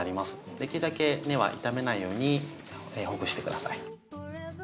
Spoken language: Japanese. できるだけ根は傷めないようにほぐして下さい。